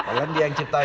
soalnya dia yang ciptain